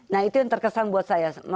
nah itu yang terkesan buat saya